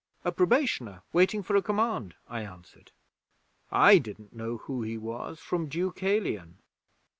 '"A probationer, waiting for a command," I answered. I didn't know who he was from Deucalion!